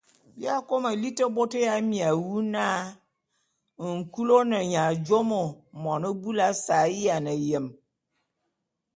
Bi akômo liti bôt ya miaé wu na nkul ô ne nya jùomo mone búlù ase a yiane yem.